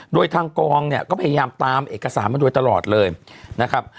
โดยทางกองเนี่ยก็พยายามตามเอกสารมาโดยตลอดเลยนะครับ